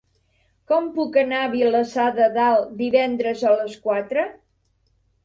Com puc anar a Vilassar de Dalt divendres a les quatre?